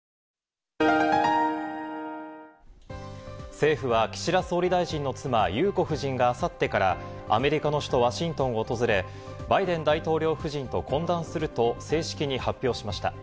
政府は岸田総理大臣の妻・裕子夫人が明後日からアメリカの首都・ワシントンを訪れ、バイデン大統領夫人と懇談すると正式に発表しました。